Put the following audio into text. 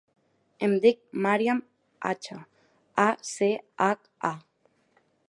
Em dic Maryam Acha: a, ce, hac, a.